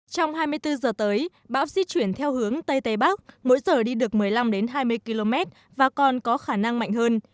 trong hai mươi bốn giờ tới bão di chuyển theo hướng tây tây bắc mỗi giờ đi được một mươi năm hai mươi km và còn có khả năng mạnh hơn